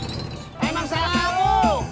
emang salah kamu